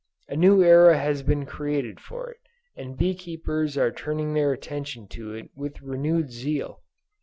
A new era has been created for it, and bee keepers are turning their attention to it with renewed zeal.